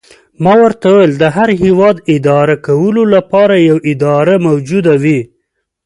ما ورته وویل: د هر هیواد اداره کولو لپاره یوه اداره موجوده وي.